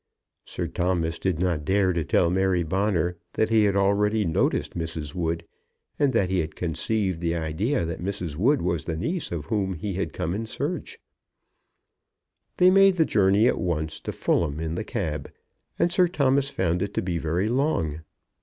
Sir Thomas did not dare to tell Mary Bonner that he had already noticed Mrs. Wood, and that he had conceived the idea that Mrs. Wood was the niece of whom he had come in search. They made the journey at once to Fulham in the cab, and Sir Thomas found it to be very long.